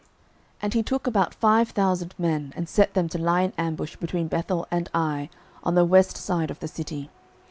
06:008:012 And he took about five thousand men, and set them to lie in ambush between Bethel and Ai, on the west side of the city.